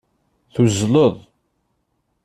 Tuzzleḍ.